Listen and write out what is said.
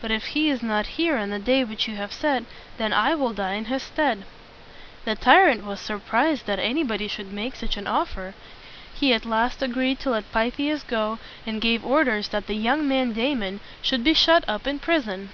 But if he is not here on the day which you have set, then I will die in his stead." The tyrant was sur prised that anybody should make such an offer. He at last agreed to let Pythias go, and gave orders that the young man Da mon should be shut up in prison.